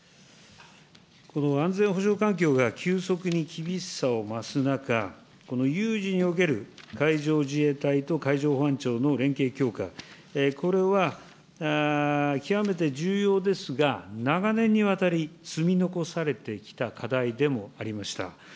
この安全保障環境が急速に厳しさを増す中、この有事における海上自衛隊と海上保安庁の連携強化、これは極めて重要ですが、長年にわたり積み残されてきた課題でもありました。